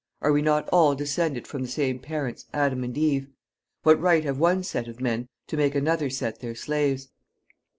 Are we not all descended from the same parents, Adam and Eve? What right have one set of men to make another set their slaves?